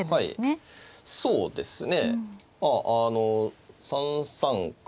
うんそうですね。